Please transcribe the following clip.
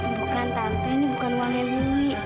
bukan tante ini bukan uangnya dulu